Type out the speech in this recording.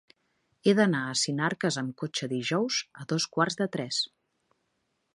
He d'anar a Sinarques amb cotxe dijous a dos quarts de tres.